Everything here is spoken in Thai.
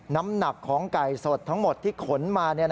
น้ำหนักของไก่สดทั้งหมดที่ขนมา